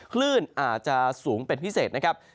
คลื่นอาจจะสูงเป็นพิเศษนะครับ